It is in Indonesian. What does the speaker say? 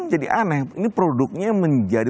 jadi aneh ini produknya menjadi